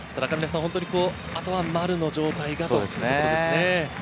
あとは丸の状態がというところですね。